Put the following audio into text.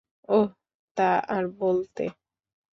ওহ, তা আর বলতে।